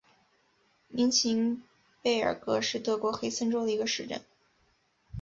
明岑贝尔格是德国黑森州的一个市镇。